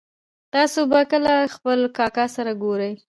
تاسو به کله خپل کاکا سره ګورئ